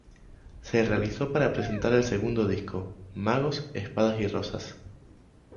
Se realizó para presentar el segundo disco, Magos, espadas y rosas.